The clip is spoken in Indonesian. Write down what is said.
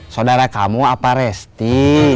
saudara kamu apa resti